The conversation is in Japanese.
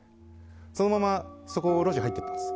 そのままそこの路地を入っていったんです。